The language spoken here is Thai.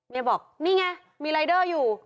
บอกนี่ไงมีรายเดอร์อยู่